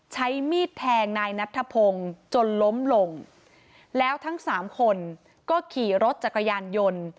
ใช้มีดแทงนายนัทธพงศ์จนล้มลงแล้วทั้งสามคนก็ขี่รถจักรยานยนต์